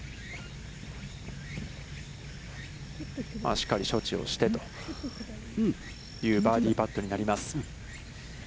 しっかり処置をしてというバーディーパットになります。